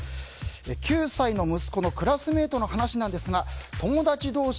９歳の息子のクラスメートの話なんですが友達同士